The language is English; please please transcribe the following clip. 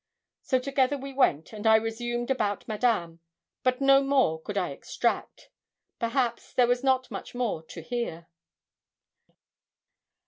So together we went, and I resumed about Madame; but no more could I extract perhaps there was not much more to hear.